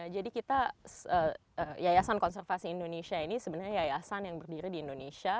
jadi kita yayasan konservasi indonesia ini sebenarnya yayasan yang berdiri di indonesia